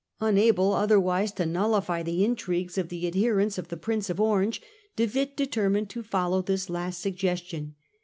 Unable otherwise to nullify the intrigues of the adhe rents of the Prince of Orange, De Witt determined to The Prince follow this last suggestion.